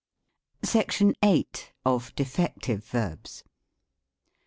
SECTION VIII. OF DEFECTIVE VERBS.